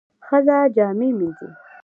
ښځه جامې مینځي.